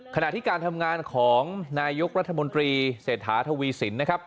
ขณะที่การทำงานของนายกรัฐมนตรีเศรษฐาทวีสินนะครับ